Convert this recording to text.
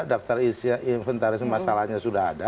daftar inventaris masalahnya sudah ada